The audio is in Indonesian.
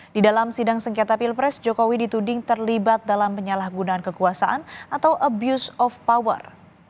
di dalam sidang sengketa pilpres jokowi dituding terlibat dalam penyalahgunaan kekuasaan atau abuse of power